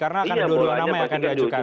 iya bolanya pasti di dprd